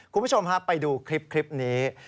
คุณผู้ชมฮะไปดูคลิปนี้